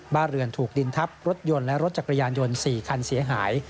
บ้านเรือนถูกดินทับรถยนต์และรถจักรยานยนต์๔คันเสียหาย